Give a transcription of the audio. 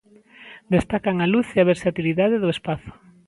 Destacan a luz e a versatilidade do espazo.